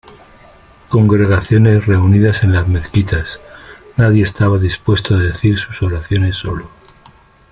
Congregaciones reunidas en las mezquitas: nadie estaba dispuesto a decir sus oraciones solo.